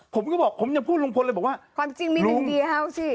ผมก็บอกผมยังพูดลุงพลเลยบอกว่าความจริงมีหนึ่งเดียวเอาสิ